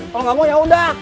kalau gak mau yaudah